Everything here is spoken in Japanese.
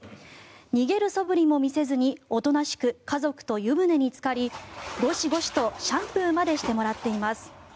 逃げるそぶりも見せずにおとなしく家族と湯船につかりゴシゴシとシャンプーまでしてもらっています。